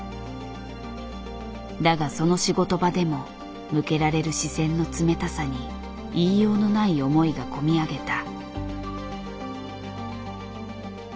だがその仕事場でも向けられる視線の冷たさに言いようのない思いが込み上げた。